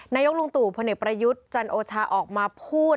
นายกลุงตู่พลเอกประยุทธ์จันโอชาออกมาพูด